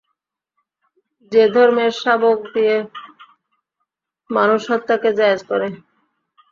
যে ধর্মের সবক দিয়ে মানুষ হত্যাকে জায়েজ করে!